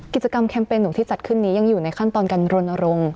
กิจกรรมแคมเปญหนูที่จัดขึ้นนี้ยังอยู่ในขั้นตอนการรณรงค์